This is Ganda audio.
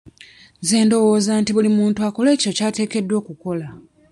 Nze ndowooza nti buli muntu akole ekyo ky'ateekeddwa okukola.